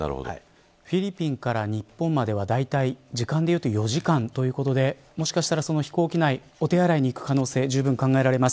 フィリピンから日本まではだいたい時間でいうと４時間ということでもしかしたら飛行機内でお手洗に行く可能性じゅうぶん考えられます。